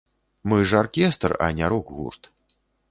Мы ж аркестр, а не рок-гурт.